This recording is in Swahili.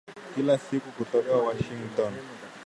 Kila siku kutoka Washington